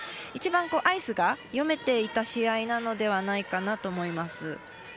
一番、アイスが読めていた試合なのではないかなと思います。